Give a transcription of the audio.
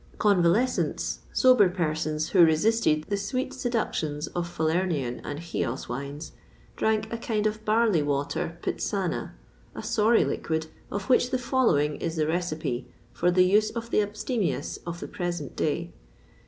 Convalescents, sober persons who resisted the sweet seductions of Falernian and Chios wines, drank a kind of barley water ptisana, a sorry liquid, of which the following is the recipe for the use of the abstemious of the present day.